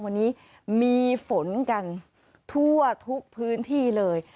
วันนี้มีฝนกันทั่วทุกพื้นที่เลย